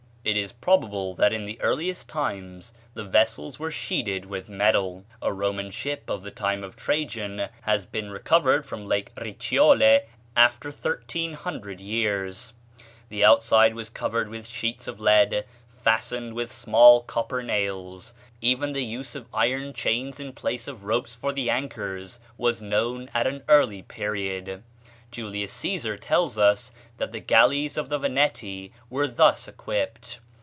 It is probable that in the earliest times the vessels were sheeted with metal. A Roman ship of the time of Trajan has been recovered from Lake Ricciole after 1300 years. The outside was covered with sheets of lead fastened with small copper nails. Even the use of iron chains in place of ropes for the anchors was known at an early period. Julius Cæsar tells us that the galleys of the Veneti were thus equipped.